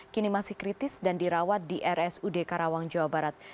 kini masih kritis dan dirawat di rsud karawang jawa barat